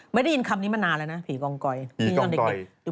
ไม่ได้ยินคำนี้มานานแล้วนะผีกองกรรม